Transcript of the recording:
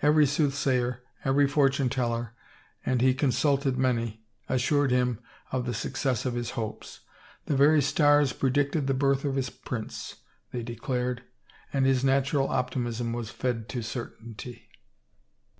Every soothsayer, every fortune teller, and he consulted many, assured him of the suc cess of his hopes; the very stars predicted the birth of his prince, they declared, and his natural optimism was fed to certainty.